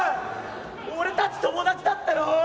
俺たち友達だったろ？